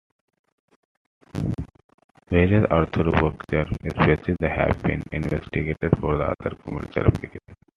Various "Arthrobacter" species have been investigated for other commercial applications.